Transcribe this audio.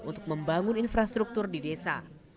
untuk membangun infrastruktur di desa